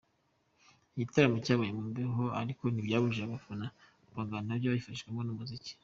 Igitaramo cyabaye mu mbeho ariko ntibyabujije abafana guhangana nayo babifashijwemo n’umuziki.